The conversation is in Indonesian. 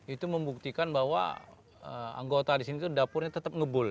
itu membuktikan bahwa anggota di sini itu dapurnya tetap ngebul